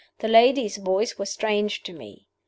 The lady's voice was strange to me.